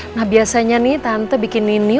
nah biasanya nih tante bikin ini